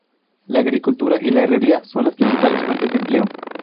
La agricultura y la herrería son las principales fuentes de empleo.